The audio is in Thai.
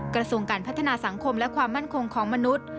กระทรวงการพัฒนาสังคมและความมั่นคงของมนุษย์